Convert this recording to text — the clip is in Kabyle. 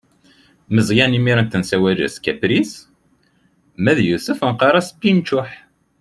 Meẓyan imir-n nessawal-as kapris, ma yusef neqqaṛ-as pinčuḥ.